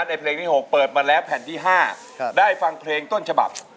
ในเพลงที่หกเปิดมาและแผ่นที่ห้าครับได้ฟังเพลงต้นฉบับ